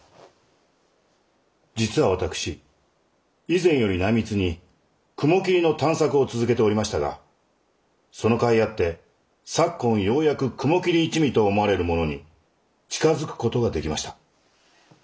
実は私以前より内密に雲霧の探索を続けておりましたがそのかいあって昨今ようやく雲霧一味と思われる者に近づく事ができました。